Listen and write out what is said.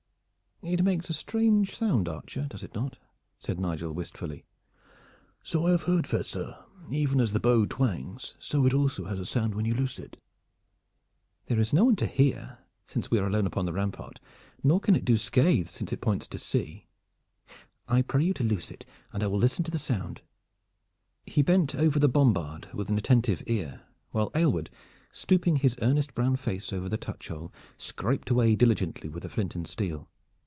"It makes a strange sound, archer, does it not?" said Nigel wistfully. "So I have heard, fair sir even as the bow twangs, so it also has a sound when you loose it." "There is no one to hear, since we are alone upon the rampart, nor can it do scathe, since it points to sea. I pray you to loose it and I will listen to the sound." He bent over the bombard with an attentive ear, while Aylward, stooping his earnest brown face over the touch hole, scraped away diligently with a flint and steel.